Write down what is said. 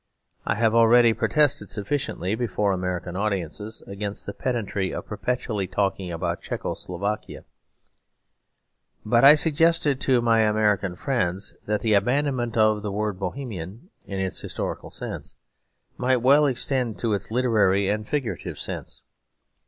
I have already protested sufficiently, before American audiences, against the pedantry of perpetually talking about Czecho Slovakia. I suggested to my American friends that the abandonment of the word Bohemian in its historical sense might well extend to its literary and figurative sense.